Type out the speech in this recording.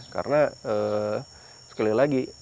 karena sekali lagi